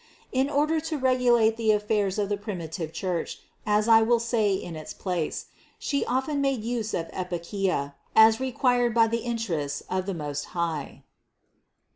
In order to regulate the affairs of the primitive Church, as I will say in its place, She often made use of epikeia, as required by the interests of the Most High.